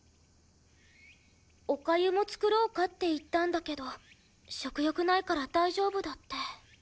おかゆも作ろうかって言ったんだけど食欲ないから大丈夫だって。